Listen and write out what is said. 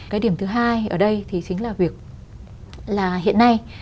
cái điểm thứ hai ở đây thì chính là việc là hiện nay